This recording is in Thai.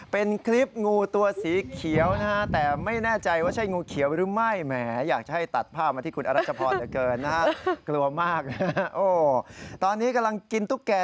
เป็นคลิปงูตัวสีเขียวนะฮะแต่ไม่แน่ใจว่าใช่งูเขียวหรือไม่